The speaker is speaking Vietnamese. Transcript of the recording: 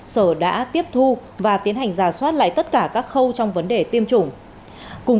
sở đã tiếp thu và tiến hành giả soát lại tất cả các khâu trong vấn đề tiêm chủng